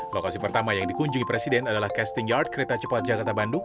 lokasi pertama yang dikunjungi presiden adalah casting yard kereta cepat jakarta bandung